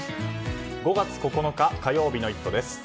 ５月９日火曜日の「イット！」です。